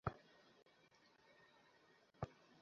আজ বুধবার ভোর সাড়ে চারটার দিকে এ ঘটনা ঘটে বলে র্যাব জানায়।